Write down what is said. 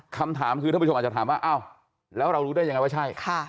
คำถามคือท่านผู้ชมอาจจะถามว่าอ้าวแล้วเรารู้ได้ยังไงว่าใช่